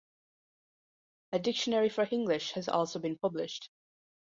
A dictionary for Hinglish has also been published.